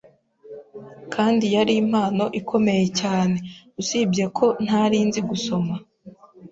kandi yari impano ikomeye cyane, ariko usibye ko nta rinzi kuyisoma